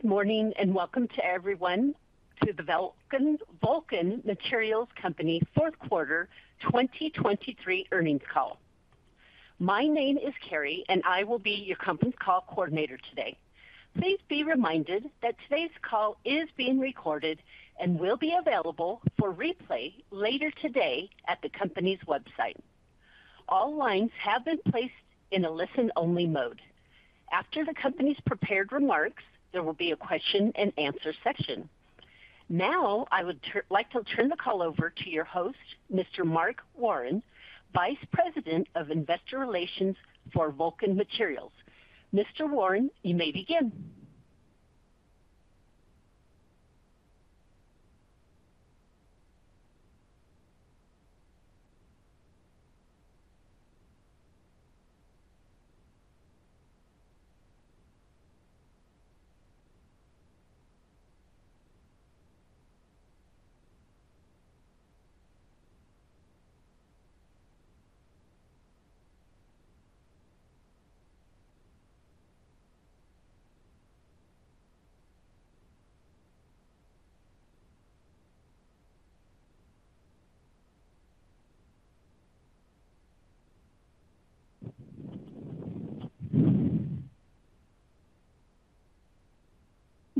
Good morning and welcome to everyone to the Vulcan Materials Company fourth quarter 2023 earnings call. My name is Carrie, and I will be your company's call coordinator today. Please be reminded that today's call is being recorded and will be available for replay later today at the company's website. All lines have been placed in a listen-only mode. After the company's prepared remarks, there will be a question-and-answer section. Now I would like to turn the call over to your host, Mr. Mark Warren, Vice President of Investor Relations for Vulcan Materials. Mr. Warren, you may begin.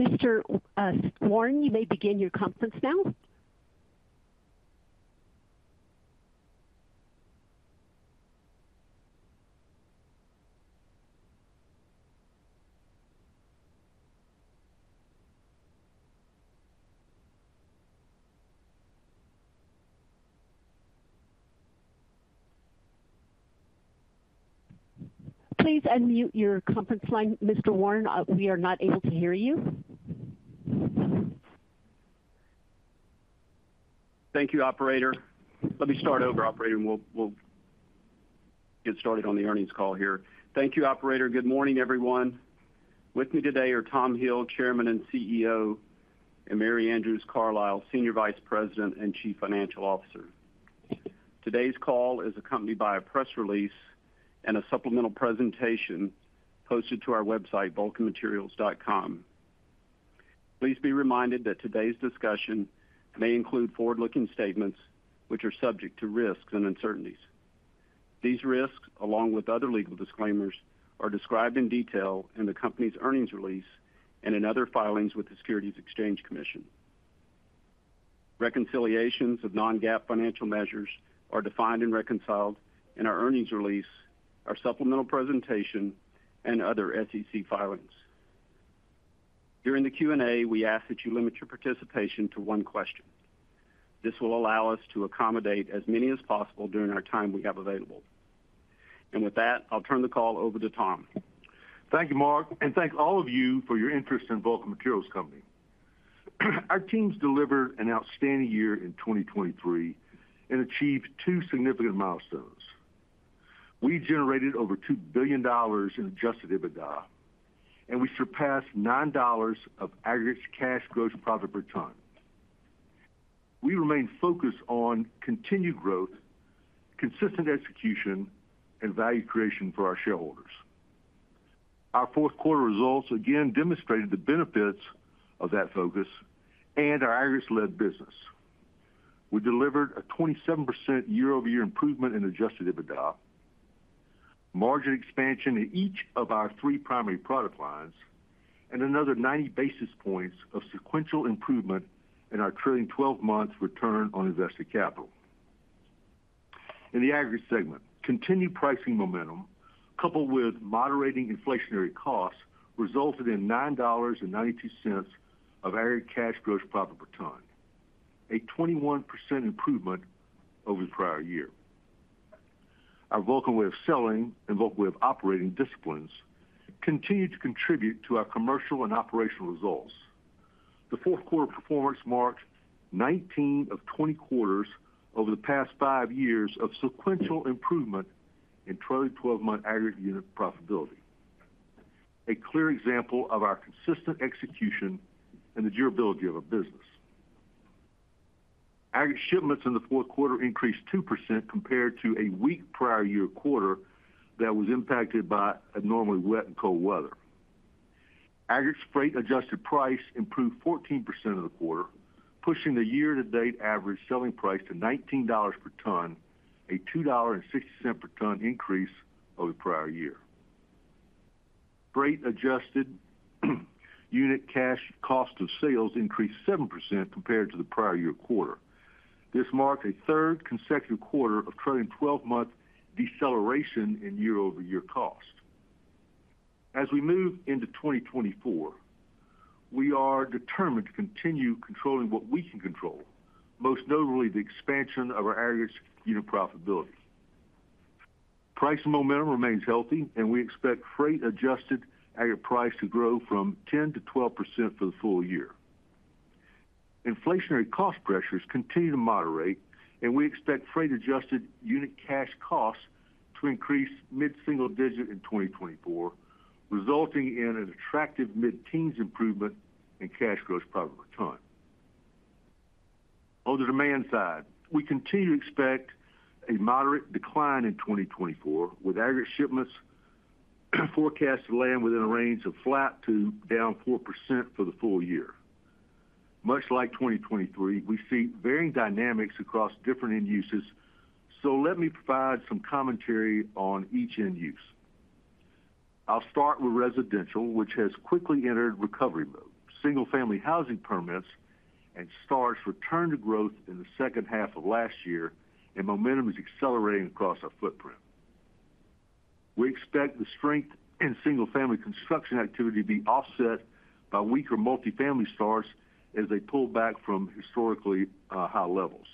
Mr. Warren, you may begin your conference now. Please unmute your conference line, Mr. Warren. We are not able to hear you. Thank you, operator. Let me start over, operator, and we'll get started on the earnings call here. Thank you, operator. Good morning, everyone. With me today are Tom Hill, Chairman and CEO, and Mary Andrews Carlisle, Senior Vice President and Chief Financial Officer. Today's call is accompanied by a press release and a supplemental presentation posted to our website, vulcanmaterials.com. Please be reminded that today's discussion may include forward-looking statements which are subject to risks and uncertainties. These risks, along with other legal disclaimers, are described in detail in the company's earnings release and in other filings with the Securities and Exchange Commission. Reconciliations of non-GAAP financial measures are defined and reconciled in our earnings release, our supplemental presentation, and other SEC filings. During the Q&A, we ask that you limit your participation to one question. This will allow us to accommodate as many as possible during our time we have available. With that, I'll turn the call over to Tom. Thank you, Mark, and thanks all of you for your interest in Vulcan Materials Company. Our teams delivered an outstanding year in 2023 and achieved two significant milestones. We generated over $2 billion in Adjusted EBITDA, and we surpassed $9 of aggregate cash gross profit per ton. We remain focused on continued growth, consistent execution, and value creation for our shareholders. Our fourth quarter results again demonstrated the benefits of that focus and our aggregate-led business. We delivered a 27% year-over-year improvement in Adjusted EBITDA, margin expansion in each of our three primary product lines, and another 90 basis points of sequential improvement in our trailing 12 months return on invested capital. In the aggregate segment, continued pricing momentum coupled with moderating inflationary costs resulted in $9.92 of aggregate cash gross profit per ton, a 21% improvement over the prior year. Our Vulcan Way of Selling and Vulcan Way of Operating disciplines continue to contribute to our commercial and operational results. The fourth quarter performance marked 19 of 20 quarters over the past five years of sequential improvement in trailing 12-month aggregate unit profitability, a clear example of our consistent execution and the durability of our business. Aggregate shipments in the fourth quarter increased 2% compared to a weak prior year quarter that was impacted by abnormally wet and cold weather. Aggregate Freight Adjusted Price improved 14% in the quarter, pushing the year-to-date average selling price to $19 per ton, a $2.60 per ton increase over the prior year. Freight Adjusted unit cash cost of sales increased 7% compared to the prior year quarter. This marked a third consecutive quarter of trailing 12-month deceleration in year-over-year cost. As we move into 2024, we are determined to continue controlling what we can control, most notably the expansion of our aggregate unit profitability. Pricing momentum remains healthy, and we expect freight adjusted aggregate price to grow 10%-12% for the full year. Inflationary cost pressures continue to moderate, and we expect freight adjusted unit cash costs to increase mid-single digit in 2024, resulting in an attractive mid-teens improvement in cash gross profit per ton. On the demand side, we continue to expect a moderate decline in 2024 with aggregate shipments forecast to land within a range of flat to down 4% for the full year. Much like 2023, we see varying dynamics across different end uses, so let me provide some commentary on each end use. I'll start with residential, which has quickly entered recovery mode. Single-family housing permits and starts return to growth in the second half of last year, and momentum is accelerating across our footprint. We expect the strength in single-family construction activity to be offset by weaker multifamily starts as they pull back from historically high levels.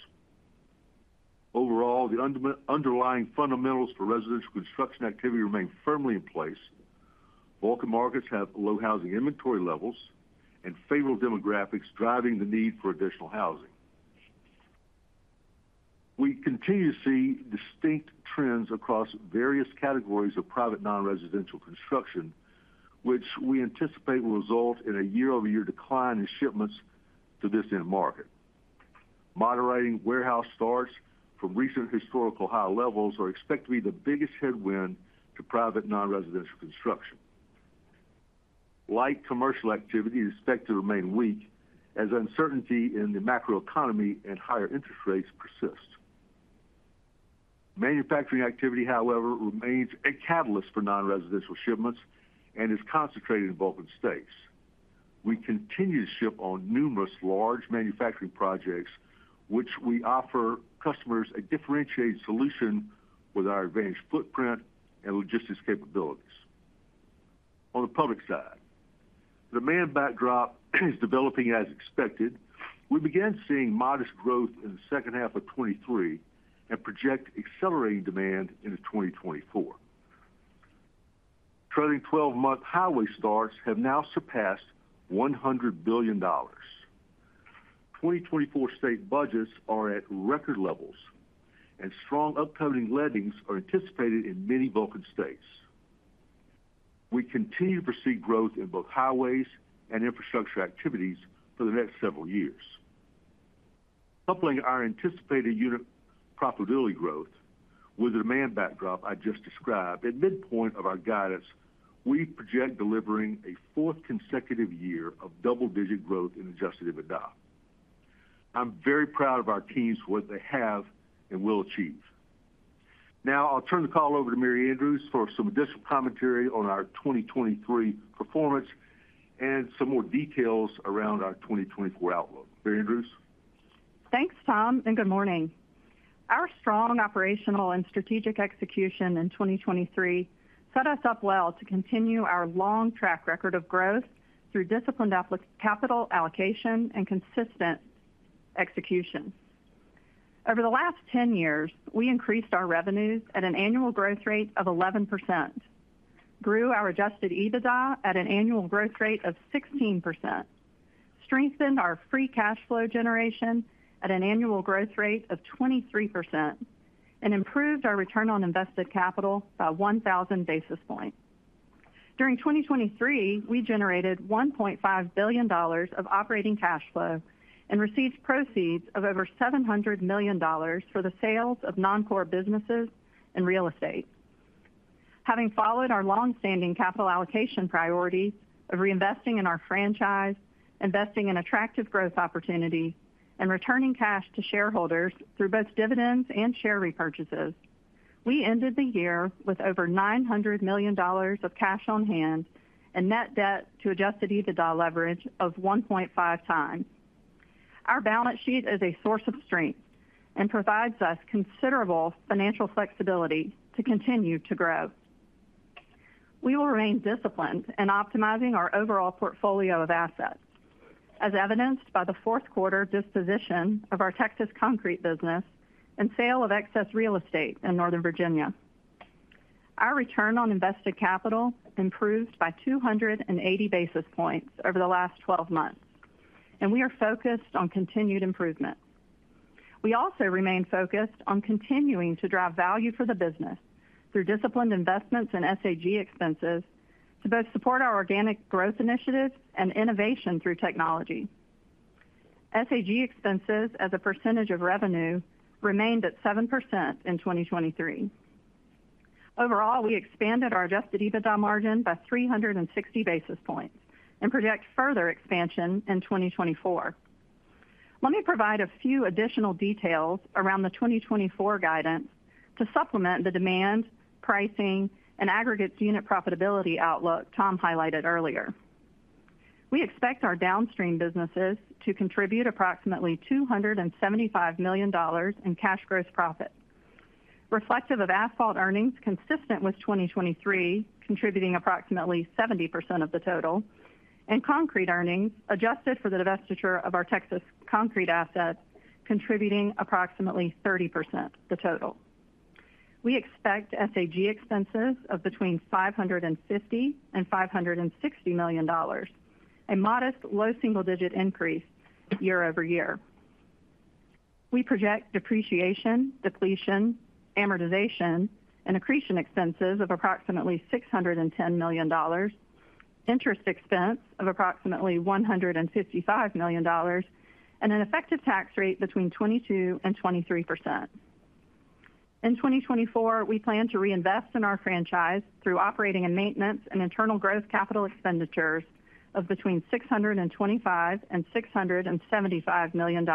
Overall, the underlying fundamentals for residential construction activity remain firmly in place. Vulcan markets have low housing inventory levels and favorable demographics driving the need for additional housing. We continue to see distinct trends across various categories of private non-residential construction, which we anticipate will result in a year-over-year decline in shipments to this end market. Moderating warehouse starts from recent historical high levels are expected to be the biggest headwind to private non-residential construction. Light commercial activity is expected to remain weak as uncertainty in the macroeconomy and higher interest rates persist. Manufacturing activity, however, remains a catalyst for non-residential shipments and is concentrated in Vulcan states. We continue to ship on numerous large manufacturing projects, which we offer customers a differentiated solution with our advantaged footprint and logistics capabilities. On the public side, demand backdrop is developing as expected. We began seeing modest growth in the second half of 2023 and project accelerating demand into 2024. Trailing 12-month highway starts have now surpassed $100 billion. 2024 state budgets are at record levels, and strong upcoming lettings are anticipated in many Vulcan states. We continue to foresee growth in both highways and infrastructure activities for the next several years. Coupling our anticipated unit profitability growth with the demand backdrop I just described, at midpoint of our guidance, we project delivering a fourth consecutive year of double-digit growth in Adjusted EBITDA. I'm very proud of our teams, what they have and will achieve. Now I'll turn the call over to Mary Andrews for some additional commentary on our 2023 performance and some more details around our 2024 outlook. Mary Andrews? Thanks, Tom, and good morning. Our strong operational and strategic execution in 2023 set us up well to continue our long track record of growth through disciplined capital allocation and consistent execution. Over the last 10 years, we increased our revenues at an annual growth rate of 11%, grew our Adjusted EBITDA at an annual growth rate of 16%, strengthened our free cash flow generation at an annual growth rate of 23%, and improved our Return on Invested Capital by 1,000 basis points. During 2023, we generated $1.5 billion of operating cash flow and received proceeds of over $700 million for the sales of non-core businesses and real estate. Having followed our longstanding capital allocation priorities of reinvesting in our franchise, investing in attractive growth opportunities, and returning cash to shareholders through both dividends and share repurchases, we ended the year with over $900 million of cash on hand and net debt to Adjusted EBITDA leverage of 1.5 times. Our balance sheet is a source of strength and provides us considerable financial flexibility to continue to grow. We will remain disciplined in optimizing our overall portfolio of assets, as evidenced by the fourth quarter disposition of our Texas concrete business and sale of excess real estate in Northern Virginia. Our return on invested capital improved by 280 basis points over the last 12 months, and we are focused on continued improvement. We also remain focused on continuing to drive value for the business through disciplined investments and SAG expenses to both support our organic growth initiatives and innovation through technology. SAG expenses, as a percentage of revenue, remained at 7% in 2023. Overall, we expanded our Adjusted EBITDA margin by 360 basis points and project further expansion in 2024. Let me provide a few additional details around the 2024 guidance to supplement the demand, pricing, and aggregate unit profitability outlook Tom highlighted earlier. We expect our downstream businesses to contribute approximately $275 million in cash gross profit, reflective of asphalt earnings consistent with 2023, contributing approximately 70% of the total, and concrete earnings adjusted for the divestiture of our Texas concrete assets, contributing approximately 30% of the total. We expect SAG expenses of between $550 and $560 million, a modest low single-digit increase year-over-year. We project depreciation, depletion, amortization, and accretion expenses of approximately $610 million, interest expense of approximately $155 million, and an effective tax rate between 22%-23%. In 2024, we plan to reinvest in our franchise through operating and maintenance and internal growth capital expenditures of between $625-$675 million.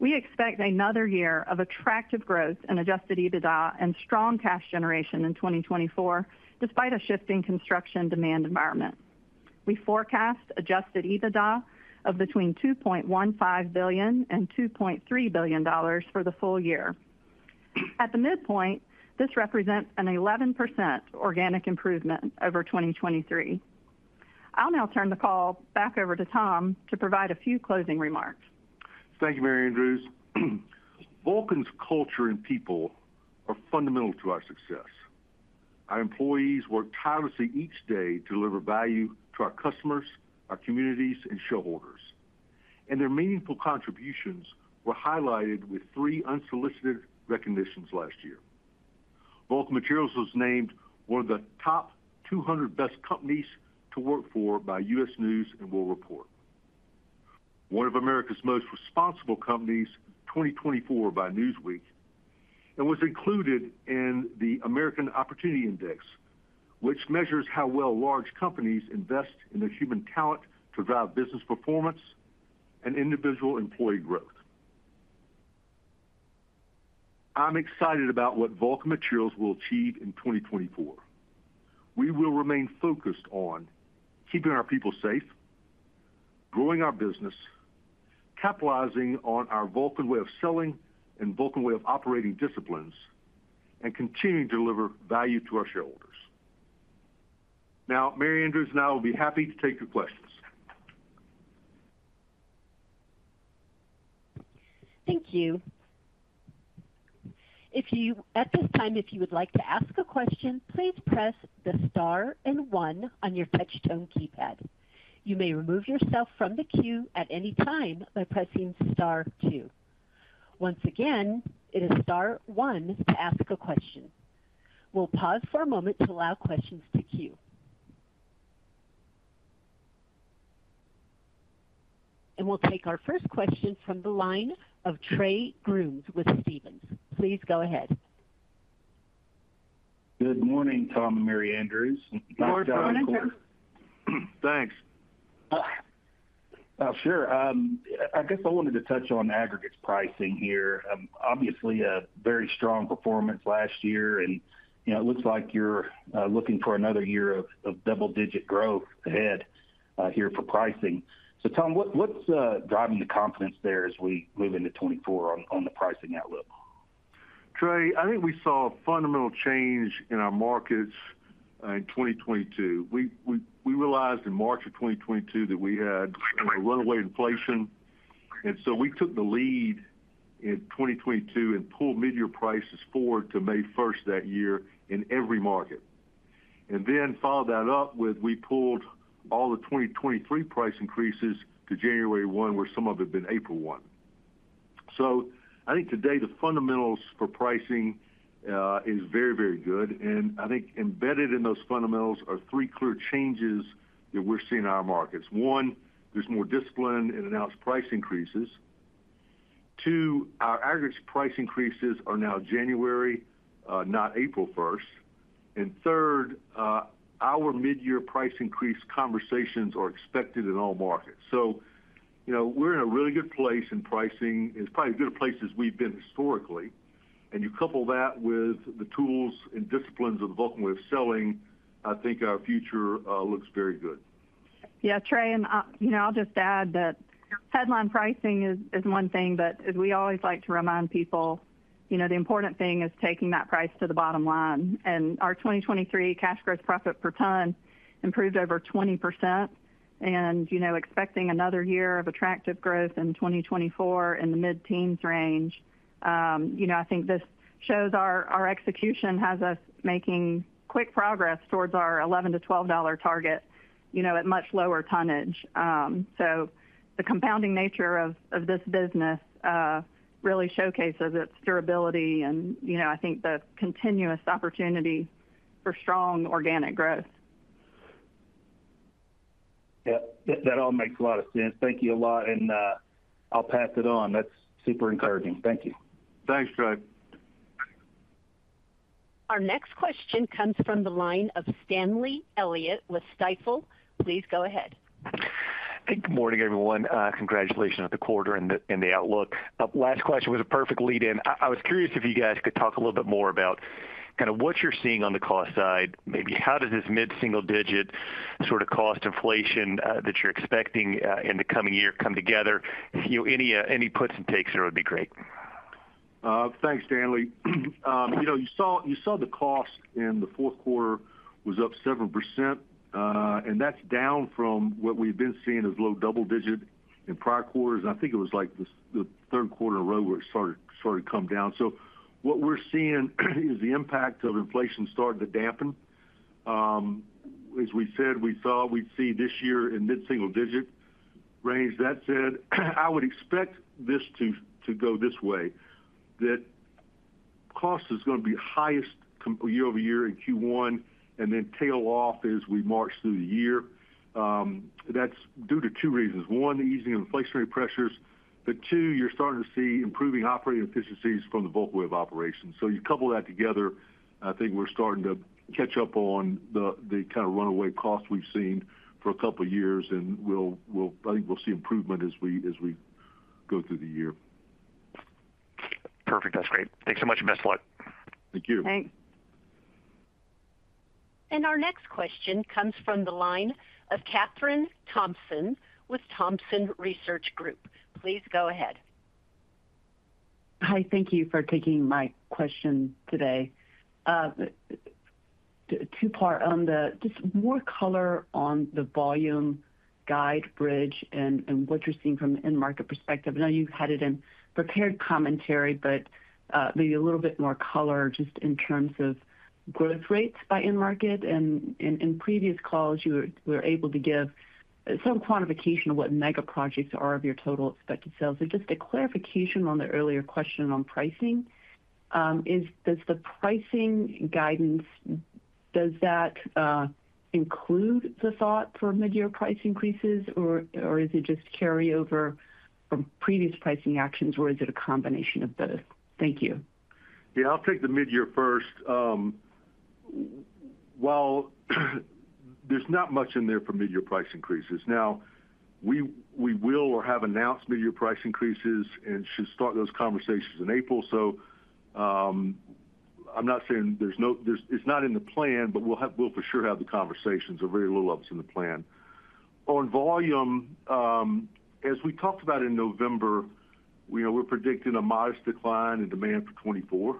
We expect another year of attractive growth in Adjusted EBITDA and strong cash generation in 2024, despite a shifting construction demand environment. We forecast Adjusted EBITDA of between $2.15-$2.3 billion for the full year. At the midpoint, this represents an 11% organic improvement over 2023. I'll now turn the call back over to Tom to provide a few closing remarks. Thank you, Mary Andrews. Vulcan's culture and people are fundamental to our success. Our employees work tirelessly each day to deliver value to our customers, our communities, and shareholders, and their meaningful contributions were highlighted with three unsolicited recognitions last year. Vulcan Materials was named one of the top 200 best companies to work for by U.S. News & World Report, one of America's Most Responsible Companies 2024 by Newsweek, and was included in the American Opportunity Index, which measures how well large companies invest in their human talent to drive business performance and individual employee growth. I'm excited about what Vulcan Materials will achieve in 2024. We will remain focused on keeping our people safe, growing our business, capitalizing on our Vulcan Way of Selling and Vulcan Way of Operating disciplines, and continuing to deliver value to our shareholders. Now, Mary Andrews and I will be happy to take your questions. Thank you. At this time, if you would like to ask a question, please press the star and one on your touch-tone keypad. You may remove yourself from the queue at any time by pressing star two. Once again, it is star one to ask a question. We'll pause for a moment to allow questions to queue. We'll take our first question from the line of Trey Grooms with Stephens. Please go ahead. Good morning, Tom and Mary Andrews. Good morning, Trey. Thanks. Sure. I guess I wanted to touch on aggregate pricing here. Obviously, a very strong performance last year, and it looks like you're looking for another year of double-digit growth ahead here for pricing. So, Tom, what's driving the confidence there as we move into 2024 on the pricing outlook? Trey, I think we saw a fundamental change in our markets in 2022. We realized in March of 2022 that we had runaway inflation, and so we took the lead in 2022 and pulled mid-year prices forward to May 1st that year in every market, and then followed that up with we pulled all the 2023 price increases to January 1, where some of it had been April 1. So I think today, the fundamentals for pricing is very, very good, and I think embedded in those fundamentals are three clear changes that we're seeing in our markets. One, there's more discipline in announced price increases. Two, our aggregate price increases are now January, not April 1st. And third, our mid-year price increase conversations are expected in all markets. So we're in a really good place in pricing. It's probably as good a place as we've been historically, and you couple that with the tools and disciplines of the Vulcan Way of Selling. I think our future looks very good. Yeah, Trey, and I'll just add that headline pricing is one thing, but as we always like to remind people, the important thing is taking that price to the bottom line. Our 2023 Cash Gross Profit per Ton improved over 20%, and expecting another year of attractive growth in 2024 in the mid-teens range, I think this shows our execution has us making quick progress towards our $11-$12 target at much lower tonnage. So the compounding nature of this business really showcases its durability and, I think, the continuous opportunity for strong organic growth. Yeah, that all makes a lot of sense. Thank you a lot, and I'll pass it on. That's super encouraging. Thank you. Thanks, Trey. Our next question comes from the line of Stanley Elliott with Stifel. Please go ahead. Good morning, everyone. Congratulations on the quarter and the outlook. Last question was a perfect lead-in. I was curious if you guys could talk a little bit more about kind of what you're seeing on the cost side. Maybe how does this mid-single-digit sort of cost inflation that you're expecting in the coming year come together? Any puts and takes there would be great. Thanks, Stanley. You saw the cost in the fourth quarter was up 7%, and that's down from what we've been seeing as low double-digit in prior quarters. I think it was like the third quarter in a row where it started to come down. So what we're seeing is the impact of inflation starting to dampen. As we said, we saw we'd see this year in mid-single-digit range. That said, I would expect this to go this way, that cost is going to be highest year-over-year in Q1 and then tail off as we march through the year. That's due to two reasons. One, the easing of inflationary pressures. But two, you're starting to see improving operating efficiencies from the Vulcan Way of Operating. So you couple that together, I think we're starting to catch up on the kind of runaway cost we've seen for a couple of years, and I think we'll see improvement as we go through the year. Perfect. That's great. Thanks so much. Best of luck. Thank you. Thanks. Our next question comes from the line of Kathryn Thompson with Thompson Research Group. Please go ahead. Hi. Thank you for taking my question today. Two-part on the just more color on the volume guide bridge and what you're seeing from in-market perspective. I know you had it in prepared commentary, but maybe a little bit more color just in terms of growth rates by in-market. And in previous calls, you were able to give some quantification of what mega projects are of your total expected sales. So just a clarification on the earlier question on pricing. Does the pricing guidance does that include the thought for mid-year price increases, or is it just carryover from previous pricing actions, or is it a combination of both? Thank you. Yeah, I'll take the mid-year first. While there's not much in there for mid-year price increases. Now, we will or have announced mid-year price increases and should start those conversations in April. So I'm not saying there's no it's not in the plan, but we'll for sure have the conversations. A very little of it's in the plan. On volume, as we talked about in November, we're predicting a modest decline in demand for 2024.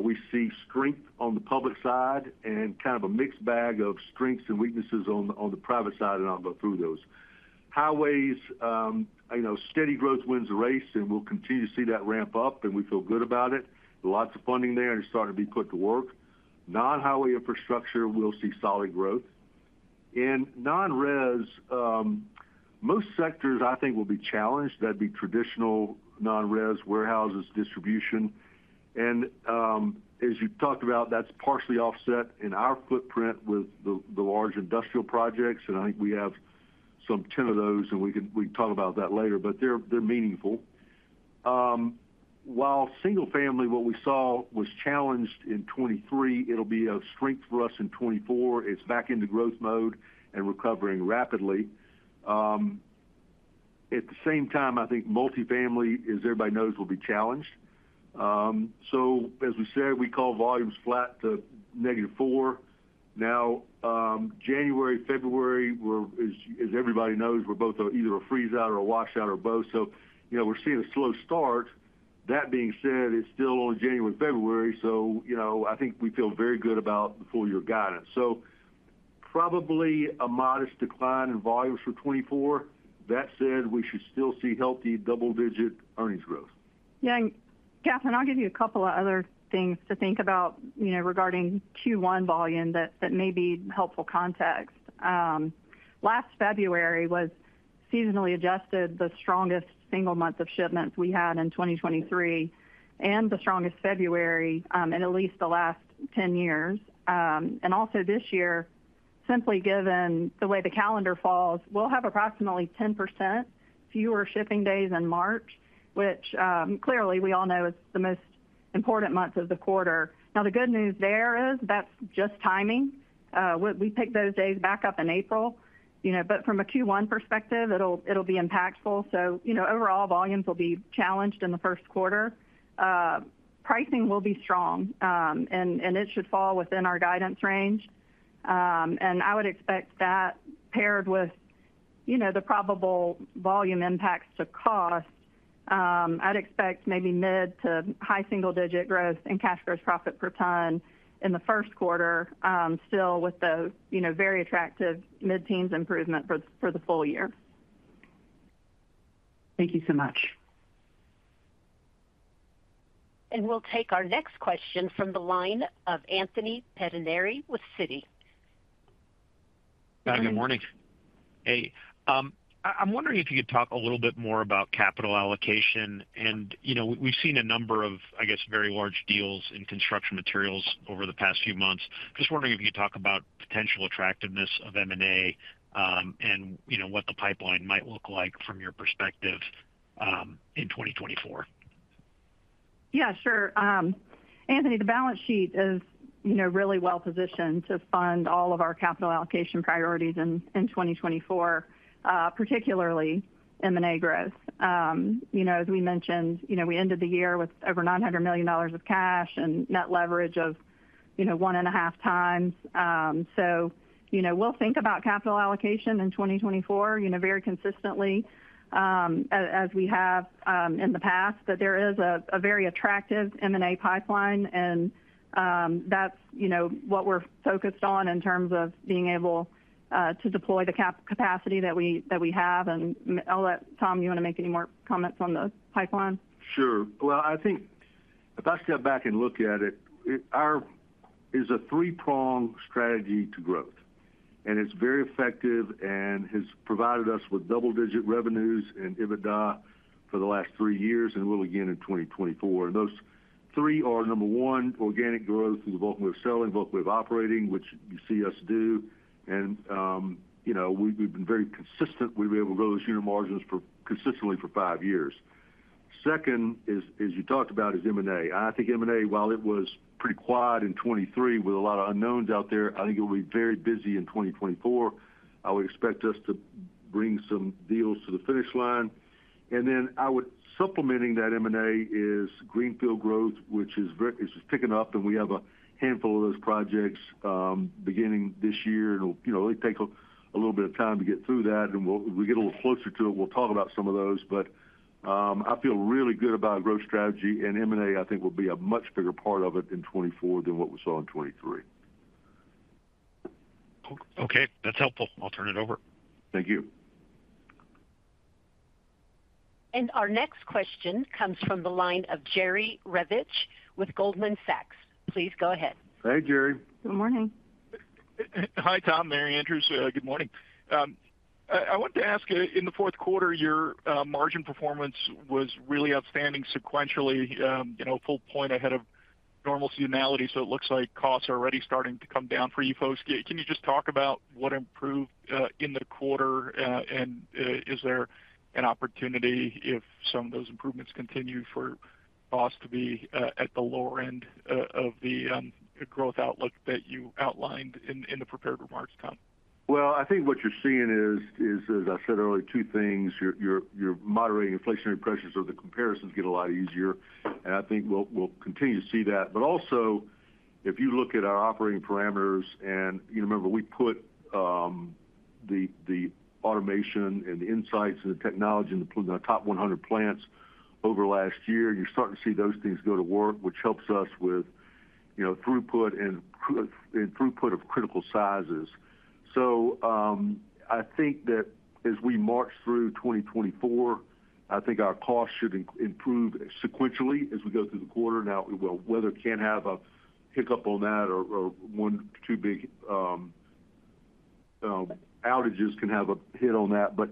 We see strength on the public side and kind of a mixed bag of strengths and weaknesses on the private side, and I'll go through those. Highways, steady growth wins the race, and we'll continue to see that ramp up, and we feel good about it. Lots of funding there, and it's starting to be put to work. Non-highway infrastructure, we'll see solid growth. In non-res, most sectors, I think, will be challenged. That'd be traditional non-res, warehouses, distribution. As you talked about, that's partially offset in our footprint with the large industrial projects. And I think we have some 10 of those, and we can talk about that later, but they're meaningful. While single-family, what we saw was challenged in 2023, it'll be of strength for us in 2024. It's back into growth mode and recovering rapidly. At the same time, I think multifamily, as everybody knows, will be challenged. So as we said, we call volumes flat to -4. Now, January, February, as everybody knows, we're both either a freeze-out or a washout or both. So we're seeing a slow start. That being said, it's still only January, February, so I think we feel very good about the full-year guidance. So probably a modest decline in volumes for 2024. That said, we should still see healthy double-digit earnings growth. Yeah. And Kathryn, I'll give you a couple of other things to think about regarding Q1 volume that may be helpful context. Last February was seasonally adjusted, the strongest single month of shipments we had in 2023 and the strongest February in at least the last 10 years. And also this year, simply given the way the calendar falls, we'll have approximately 10% fewer shipping days in March, which clearly, we all know, is the most important month of the quarter. Now, the good news there is that's just timing. We picked those days back up in April. But from a Q1 perspective, it'll be impactful. So overall, volumes will be challenged in the first quarter. Pricing will be strong, and it should fall within our guidance range. I would expect that paired with the probable volume impacts to cost, I'd expect maybe mid- to high single-digit growth in Cash Gross Profit per Ton in the first quarter, still with the very attractive mid-teens improvement for the full year. Thank you so much. We'll take our next question from the line of Anthony Pettinari with Citi. Hi. Good morning. Hey. I'm wondering if you could talk a little bit more about capital allocation. We've seen a number of, I guess, very large deals in construction materials over the past few months. Just wondering if you could talk about potential attractiveness of M&A and what the pipeline might look like from your perspective in 2024? Yeah, sure. Anthony, the balance sheet is really well positioned to fund all of our capital allocation priorities in 2024, particularly M&A growth. As we mentioned, we ended the year with over $900 million of cash and net leverage of 1.5x. So we'll think about capital allocation in 2024 very consistently as we have in the past, that there is a very attractive M&A pipeline, and that's what we're focused on in terms of being able to deploy the capacity that we have. And I'll let Tom, you want to make any more comments on the pipeline? Sure. Well, I think if I step back and look at it, ours is a three-prong strategy to growth, and it's very effective and has provided us with double-digit revenues and EBITDA for the last three years and will again in 2024. And those three are, number one, organic growth through the Vulcan Way of Selling, Vulcan Way of Operating, which you see us do. And we've been very consistent. We've been able to grow those unit margins consistently for five years. Second, as you talked about, is M&A. I think M&A, while it was pretty quiet in 2023 with a lot of unknowns out there, I think it'll be very busy in 2024. I would expect us to bring some deals to the finish line. Then I'd say supplementing that M&A is greenfield growth, which is picking up, and we have a handful of those projects beginning this year. It'll take a little bit of time to get through that. When we get a little closer to it, we'll talk about some of those. But I feel really good about a growth strategy, and M&A, I think, will be a much bigger part of it in 2024 than what we saw in 2023. Okay. That's helpful. I'll turn it over. Thank you. Our next question comes from the line of Jerry Revich with Goldman Sachs. Please go ahead. Hey, Jerry. Good morning. Hi, Tom. Mary Andrews. Good morning. I wanted to ask, in the fourth quarter, your margin performance was really outstanding sequentially, full point ahead of normal seasonality. So it looks like costs are already starting to come down for you folks. Can you just talk about what improved in the quarter, and is there an opportunity if some of those improvements continue for costs to be at the lower end of the growth outlook that you outlined in the prepared remarks, Tom? Well, I think what you're seeing is, as I said earlier, two things. You're moderating inflationary pressures, so the comparisons get a lot easier. And I think we'll continue to see that. But also, if you look at our operating parameters and remember, we put the automation and the insights and the technology in the top 100 plants over last year. You're starting to see those things go to work, which helps us with throughput and throughput of critical sizes. So I think that as we march through 2024, I think our costs should improve sequentially as we go through the quarter. Now, well, weather can have a hiccup on that, or one or two big outages can have a hit on that. But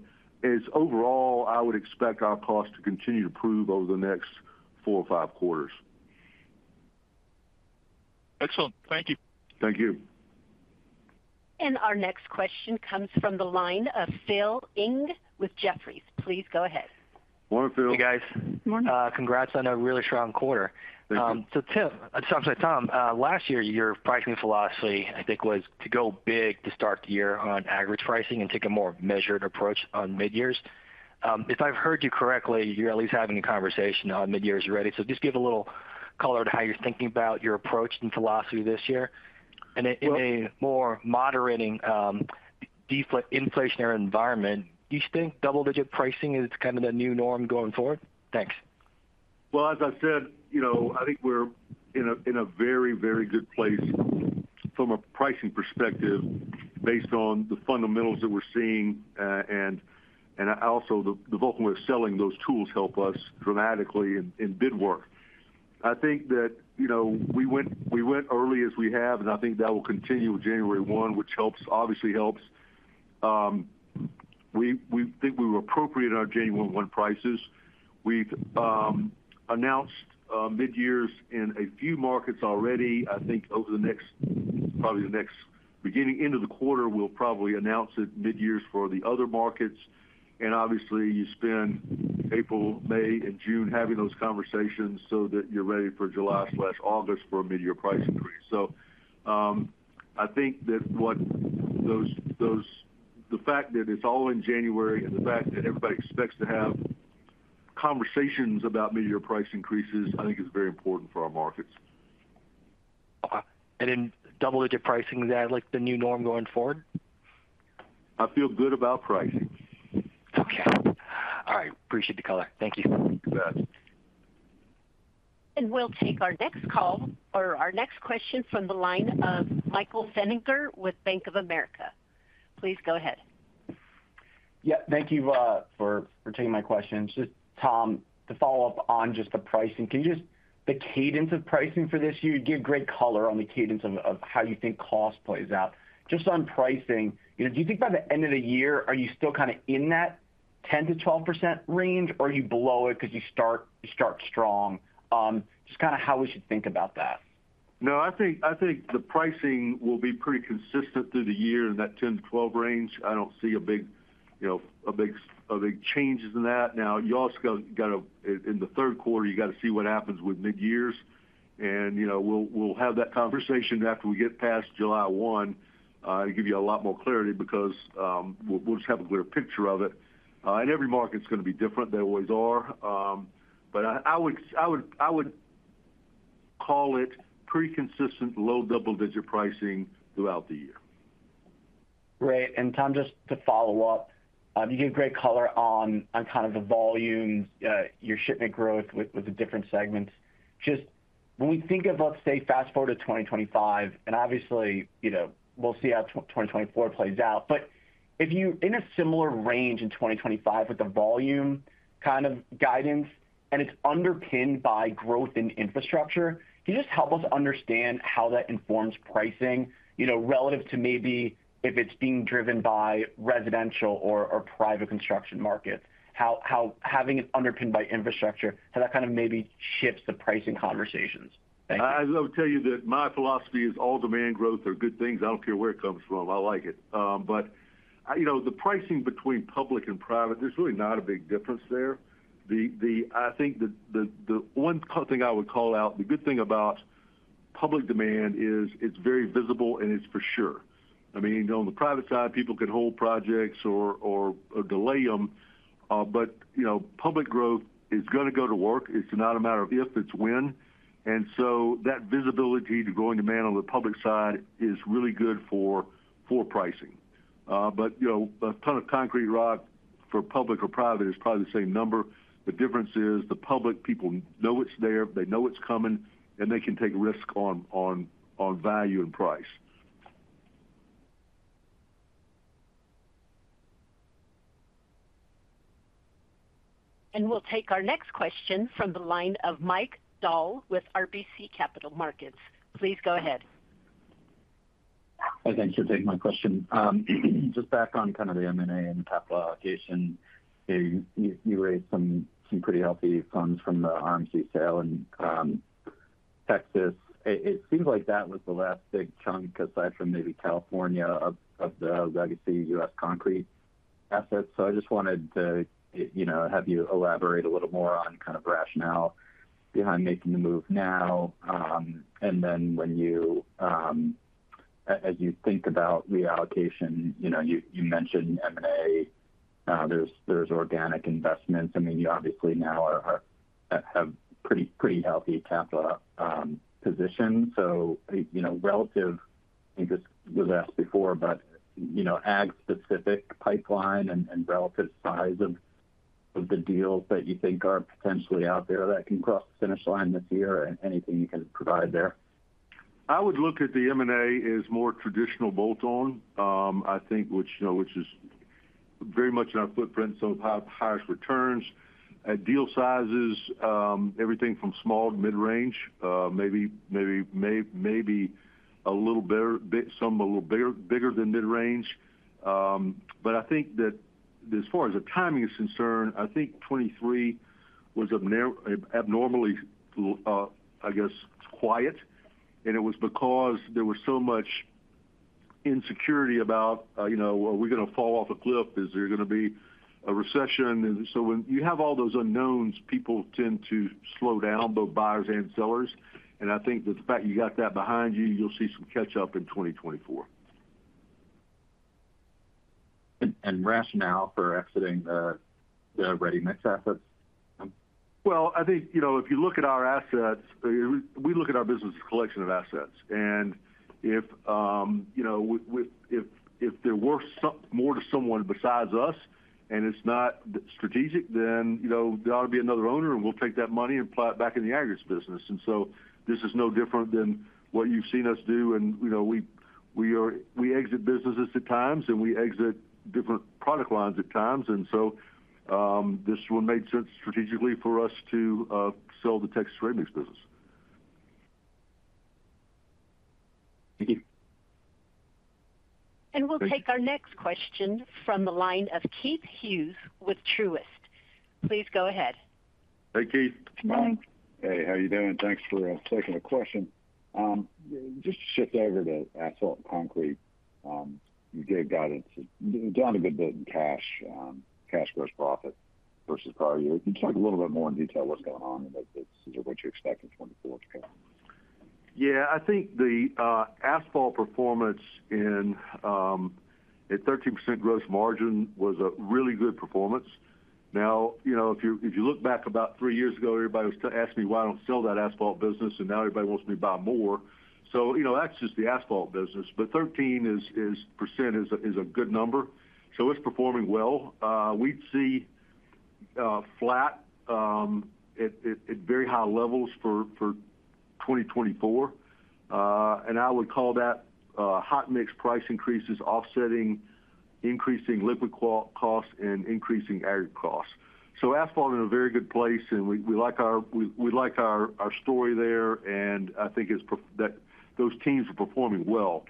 overall, I would expect our costs to continue to improve over the next four or five quarters. Excellent. Thank you. Thank you. Our next question comes from the line of Phil Ng with Jefferies. Please go ahead. Morning, Phil. Hey, guys. Good morning. Congrats on a really strong quarter. Thank you. So, Tim—sorry, Tom. Last year, your pricing philosophy, I think, was to go big to start the year on average pricing and take a more measured approach on mid-years. If I've heard you correctly, you're at least having a conversation on mid-years already. So just give a little color to how you're thinking about your approach and philosophy this year. In a more moderating inflationary environment, do you think double-digit pricing is kind of the new norm going forward? Thanks. Well, as I said, I think we're in a very, very good place from a pricing perspective based on the fundamentals that we're seeing. And also, the Vulcan Way of Selling, those tools help us dramatically in bid work. I think that we went early as we have, and I think that will continue with January 1, which obviously helps. We think we were appropriate in our January 1 prices. We've announced mid-years in a few markets already. I think over the next probably beginning into the quarter, we'll probably announce mid-years for the other markets. And obviously, you spend April, May, and June having those conversations so that you're ready for July/August for a mid-year price increase. So I think that the fact that it's all in January and the fact that everybody expects to have conversations about mid-year price increases, I think it's very important for our markets. In double-digit pricing, is that the new norm going forward? I feel good about pricing. Okay. All right. Appreciate the color. Thank you. You bet. We'll take our next call or our next question from the line of Michael Feniger with Bank of America. Please go ahead. Yeah. Thank you for taking my questions. Just Tom, to follow up on just the pricing, can you just the cadence of pricing for this year? You gave great color on the cadence of how you think cost plays out. Just on pricing, do you think by the end of the year, are you still kind of in that 10%-12% range, or are you below it because you start strong? Just kind of how we should think about that. No, I think the pricing will be pretty consistent through the year in that 10-12 range. I don't see a big change in that. Now, you also got to in the third quarter, you got to see what happens with mid-years. And we'll have that conversation after we get past July 1 to give you a lot more clarity because we'll just have a clearer picture of it. And every market's going to be different. They always are. But I would call it pretty consistent low double-digit pricing throughout the year. Great. And Tom, just to follow up, you gave great color on kind of the volumes, your shipment growth with the different segments. Just when we think of, let's say, fast forward to 2025, and obviously, we'll see how 2024 plays out. But if you're in a similar range in 2025 with the volume kind of guidance, and it's underpinned by growth in infrastructure, can you just help us understand how that informs pricing relative to maybe if it's being driven by residential or private construction markets? Having it underpinned by infrastructure, how that kind of maybe shifts the pricing conversations? Thank you. I will tell you that my philosophy is all demand growth are good things. I don't care where it comes from. I like it. But the pricing between public and private, there's really not a big difference there. I think the one thing I would call out, the good thing about public demand is it's very visible, and it's for sure. I mean, on the private side, people can hold projects or delay them. But public growth is going to go to work. It's not a matter of if, it's when. And so that visibility to growing demand on the public side is really good for pricing. But a ton of concrete rock for public or private is probably the same number. The difference is the public, people know it's there. They know it's coming, and they can take risks on value and price. We'll take our next question from the line of Mike Dahl with RBC Capital Markets. Please go ahead. Hi. Thanks for taking my question. Just back on kind of the M&A and the capital allocation, you raised some pretty healthy funds from the RMC sale in Texas. It seems like that was the last big chunk aside from maybe California of the legacy U.S. Concrete assets. So I just wanted to have you elaborate a little more on kind of rationale behind making the move now. And then when you as you think about reallocation, you mentioned M&A. There's organic investments. I mean, you obviously now have pretty healthy capital positions. So relative I think this was asked before, but agg-specific pipeline and relative size of the deals that you think are potentially out there that can cross the finish line this year, anything you can provide there? I would look at the M&A as more traditional bolt-on, I think, which is very much in our footprint. So highest returns, deal sizes, everything from small to mid-range, maybe a little bit some a little bigger than mid-range. But I think that as far as the timing is concerned, I think 2023 was abnormally, I guess, quiet. And it was because there was so much insecurity about, "Are we going to fall off a cliff? Is there going to be a recession?" And so when you have all those unknowns, people tend to slow down, both buyers and sellers. And I think that the fact you got that behind you, you'll see some catch-up in 2024. Rationale for exiting the ready-mix assets, Tom? Well, I think if you look at our assets, we look at our business as a collection of assets. And if there were more to someone besides us, and it's not strategic, then there ought to be another owner, and we'll take that money and plow it back in the aggregates business. And so this is no different than what you've seen us do. And we exit businesses at times, and we exit different product lines at times. And so this one made sense strategically for us to sell the Texas ready-mix business. Thank you. We'll take our next question from the line of Keith Hughes with Truist. Please go ahead. Hey, Keith. Good morning. Hey. How are you doing? Thanks for taking the question. Just to shift over to asphalt and concrete, you gave guidance down a good bit in cash gross profit versus prior year. Can you talk a little bit more in detail what's going on and what you expect in 2024 to come? Yeah. I think the asphalt performance at 13% gross margin was a really good performance. Now, if you look back about 3 years ago, everybody was asking me, "Why don't you sell that asphalt business?" And now everybody wants me to buy more. So that's just the asphalt business. But 13% is a good number. So it's performing well. We'd see flat at very high levels for 2024. And I would call that hot-mix price increases offsetting increasing liquid costs and increasing agg costs. So asphalt in a very good place, and we like our story there. And I think those teams are performing well.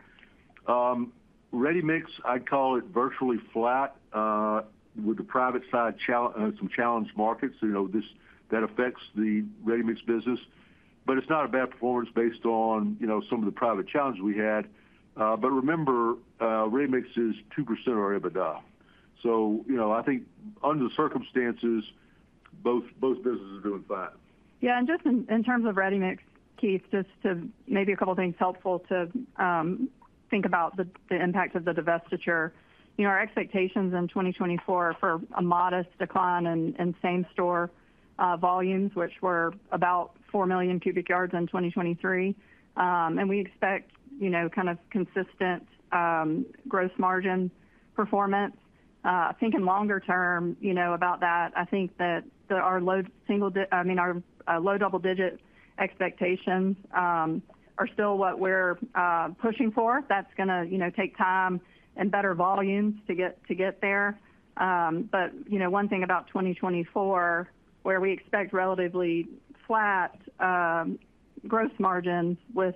Ready-mix, I'd call it virtually flat with the private side some challenged markets. That affects the ready-mix business. But it's not a bad performance based on some of the private challenges we had. But remember, ready-mix is 2% of our EBITDA. So I think under the circumstances, both businesses are doing fine. Yeah. And just in terms of ready-mix, Keith, just maybe a couple of things helpful to think about the impact of the divestiture. Our expectations in 2024 are for a modest decline in same-store volumes, which were about 4 million cubic yards in 2023. And we expect kind of consistent gross margin performance. Thinking longer-term about that, I think that our low single, I mean, our low double-digit expectations are still what we're pushing for. That's going to take time and better volumes to get there. But one thing about 2024, where we expect relatively flat gross margins with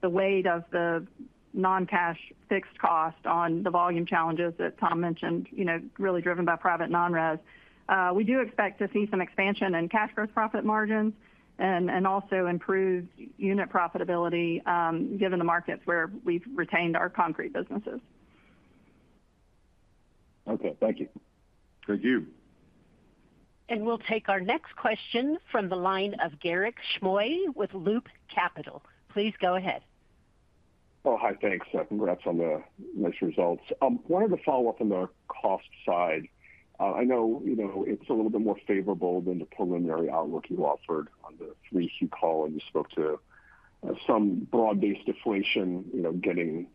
the weight of the non-cash fixed cost on the volume challenges that Tom mentioned, really driven by private non-res. We do expect to see some expansion in cash gross profit margins and also improved unit profitability given the markets where we've retained our concrete businesses. Okay. Thank you. Thank you. We'll take our next question from the line of Garik Shmois with Loop Capital. Please go ahead. Oh, hi. Thanks. Congrats on the nice results. I wanted to follow up on the cost side. I know it's a little bit more favorable than the preliminary outlook you offered on the 3Q calls you spoke to. Some broad-based deflation getting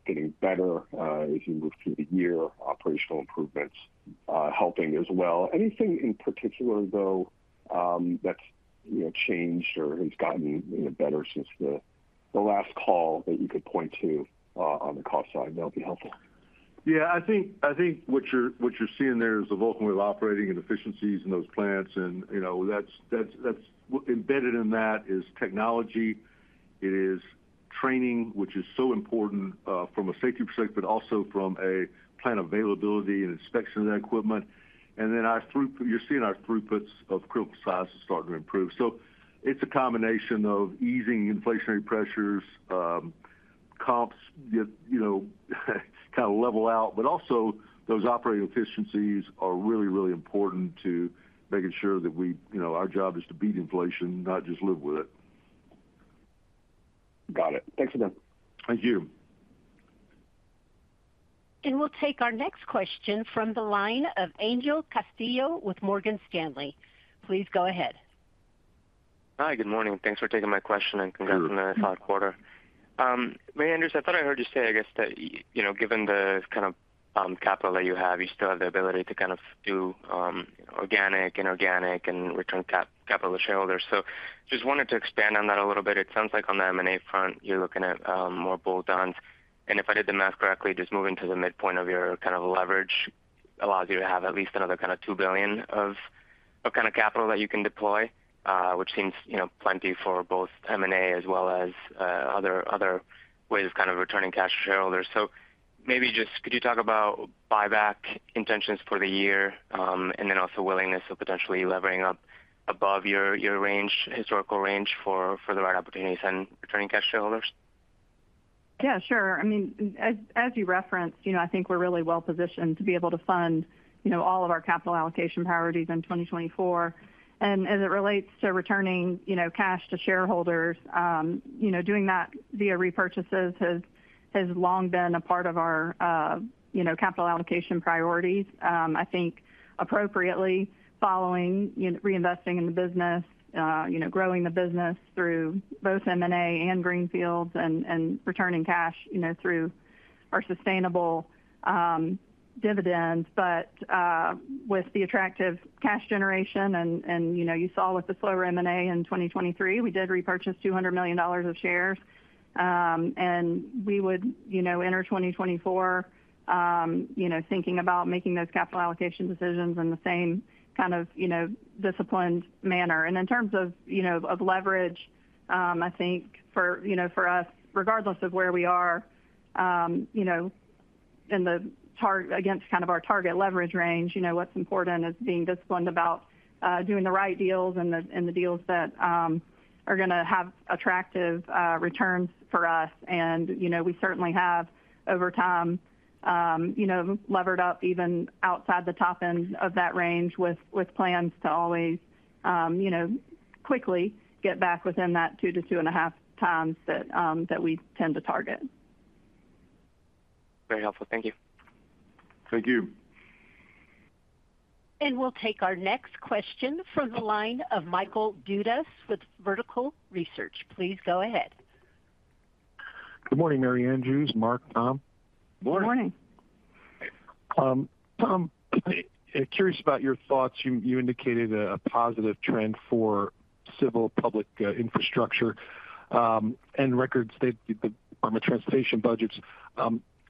better as you move through the year, operational improvements helping as well. Anything in particular, though, that's changed or has gotten better since the last call that you could point to on the cost side? That would be helpful. Yeah. I think what you're seeing there is the Vulcan Way of Operating and efficiencies in those plants. And embedded in that is technology. It is training, which is so important from a safety perspective, but also from a plant availability and inspection of that equipment. And then you're seeing our throughputs of critical size starting to improve. So it's a combination of easing inflationary pressures, comps kind of level out. But also, those operating efficiencies are really, really important to making sure that our job is to beat inflation, not just live with it. Got it. Thanks again. Thank you. We'll take our next question from the line of Angel Castillo with Morgan Stanley. Please go ahead. Hi. Good morning. Thanks for taking my question and congrats on the strong quarter. Good. Mary Andrews, I thought I heard you say, I guess, that given the kind of capital that you have, you still have the ability to kind of do organic, inorganic, and return capital to shareholders. So just wanted to expand on that a little bit. It sounds like on the M&A front, you're looking at more bolt-ons. And if I did the math correctly, just moving to the midpoint of your kind of leverage allows you to have at least another kind of $2 billion of kind of capital that you can deploy, which seems plenty for both M&A as well as other ways of kind of returning cash to shareholders. So maybe just could you talk about buyback intentions for the year and then also willingness of potentially levering up above your historical range for the right opportunities and returning cash to shareholders? Yeah. Sure. I mean, as you referenced, I think we're really well-positioned to be able to fund all of our capital allocation priorities in 2024. As it relates to returning cash to shareholders, doing that via repurchases has long been a part of our capital allocation priorities. I think appropriately following reinvesting in the business, growing the business through both M&A and greenfields, and returning cash through our sustainable dividends. But with the attractive cash generation, and you saw with the slower M&A in 2023, we did repurchase $200 million of shares. We would enter 2024 thinking about making those capital allocation decisions in the same kind of disciplined manner. In terms of leverage, I think for us, regardless of where we are in the target against kind of our target leverage range, what's important is being disciplined about doing the right deals and the deals that are going to have attractive returns for us. We certainly have, over time, levered up even outside the top end of that range with plans to always quickly get back within that 2-2.5 times that we tend to target. Very helpful. Thank you. Thank you. We'll take our next question from the line of Michael Dudas with Vertical Research. Please go ahead. Good morning, Mary Andrews. Mark, Tom. Good morning. Good morning. Tom, curious about your thoughts. You indicated a positive trend for civil public infrastructure and record Department of Transportation budgets.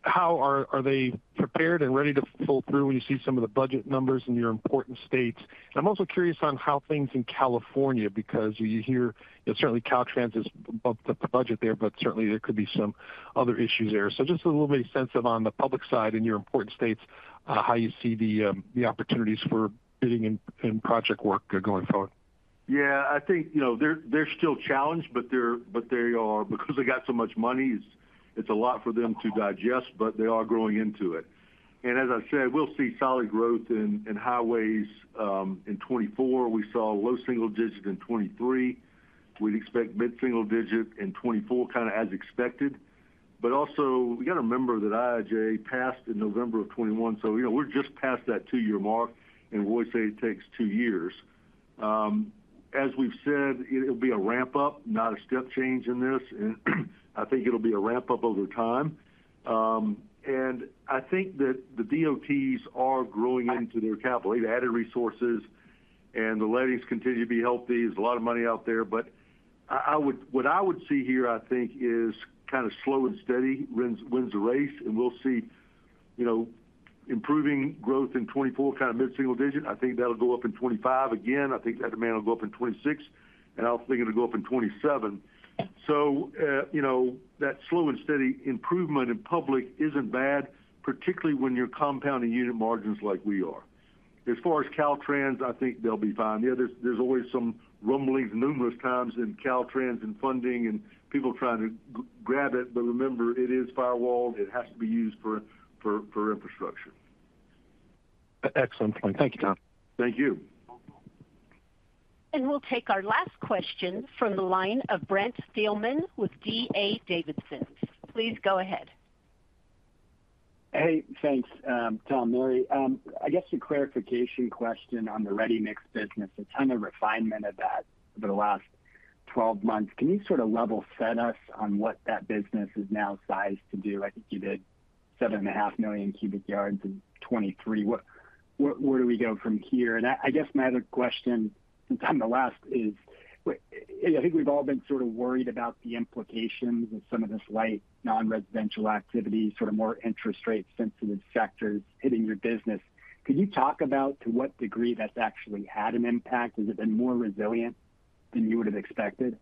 How are they prepared and ready to pull through when you see some of the budget numbers in your important states? And I'm also curious on how things in California because you hear certainly Caltrans is above the budget there, but certainly, there could be some other issues there. So just a little bit of sense on the public side in your important states, how you see the opportunities for bidding and project work going forward. Yeah. I think they're still challenged, but they are because they got so much money. It's a lot for them to digest, but they are growing into it. And as I said, we'll see solid growth in highways in 2024. We saw low single digit in 2023. We'd expect mid-single digit in 2024 kind of as expected. But also, we got to remember that IIJA passed in November 2021. So we're just past that two-year mark, and we always say it takes two years. As we've said, it'll be a ramp-up, not a step change in this. And I think it'll be a ramp-up over time. And I think that the DOTs are growing into their capital. They've added resources, and the lettings continue to be healthy. There's a lot of money out there. But what I would see here, I think, is kind of slow and steady wins the race. And we'll see improving growth in 2024 kind of mid-single digit. I think that'll go up in 2025. Again, I think that demand will go up in 2026. And I'm thinking it'll go up in 2027. So that slow and steady improvement in public isn't bad, particularly when you're compounding unit margins like we are. As far as Caltrans, I think they'll be fine. Yeah, there's always some rumblings numerous times in Caltrans and funding and people trying to grab it. But remember, it is firewalled. It has to be used for infrastructure. Excellent point. Thank you, Tom. Thank you. We'll take our last question from the line of Brent Thielman with D.A. Davidson. Please go ahead. Hey. Thanks, Tom, Mary. I guess a clarification question on the ready-mix business. A ton of refinement of that over the last 12 months. Can you sort of level set us on what that business is now sized to do? I think you did 7.5 million cubic yards in 2023. Where do we go from here? And I guess my other question since I'm the last is I think we've all been sort of worried about the implications of some of this light non-residential activity, sort of more interest-rate-sensitive sectors hitting your business. Could you talk about to what degree that's actually had an impact? Has it been more resilient than you would have expected?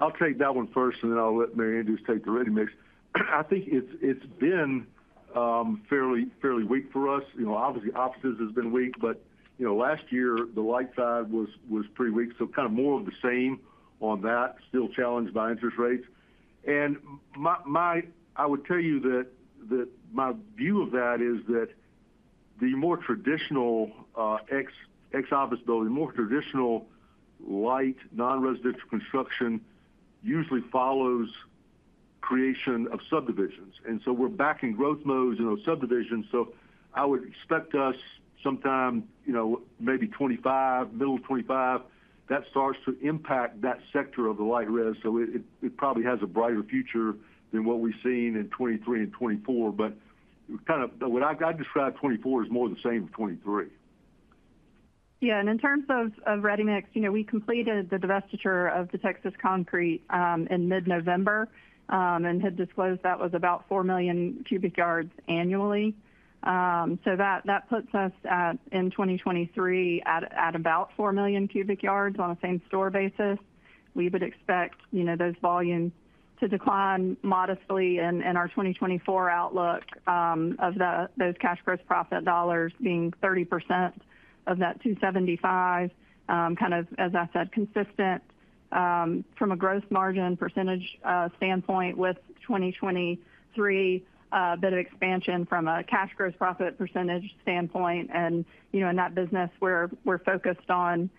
I'll take that one first, and then I'll let Mary Andrews take the ready-mix. I think it's been fairly weak for us. Obviously, offices have been weak. But last year, the light side was pretty weak. So kind of more of the same on that, still challenged by interest rates. And I would tell you that my view of that is that the more traditional ex-office building, the more traditional light non-residential construction usually follows creation of subdivisions. And so we're back in growth modes in those subdivisions. So I would expect us sometime maybe 2025, middle of 2025, that starts to impact that sector of the light res. So it probably has a brighter future than what we've seen in 2023 and 2024. But I'd describe 2024 as more of the same as 2023. Yeah. And in terms of ready-mix, we completed the divestiture of the Texas concrete in mid-November and had disclosed that was about 4 million cubic yards annually. So that puts us in 2023 at about 4 million cubic yards on a same-store basis. We would expect those volumes to decline modestly in our 2024 outlook of those cash gross profit dollars being 30% of that $275 million, kind of, as I said, consistent from a growth margin percentage standpoint with 2023, a bit of expansion from a cash gross profit percentage standpoint. And in that business, we're focused on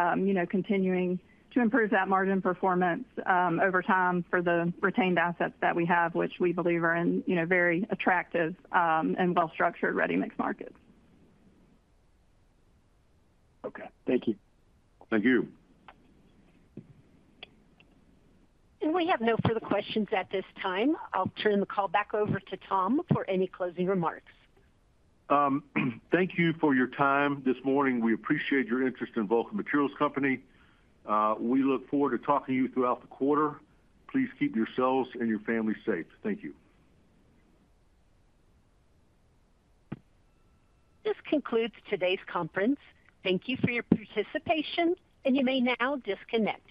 continuing to improve that margin performance over time for the retained assets that we have, which we believe are in very attractive and well-structured ready-mix markets. Okay. Thank you. Thank you. We have no further questions at this time. I'll turn the call back over to Tom for any closing remarks. Thank you for your time this morning. We appreciate your interest in Vulcan Materials Company. We look forward to talking to you throughout the quarter. Please keep yourselves and your family safe. Thank you. This concludes today's conference. Thank you for your participation, and you may now disconnect.